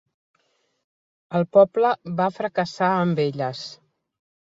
El poble va fracassar amb elles.